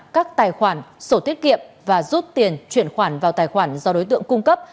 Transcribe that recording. các tài khoản sổ tiết kiệm và rút tiền chuyển khoản vào tài khoản do đối tượng cung cấp